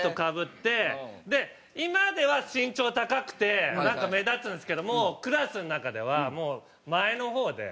で今では身長高くてなんか目立つんですけどクラスの中ではもう前の方で。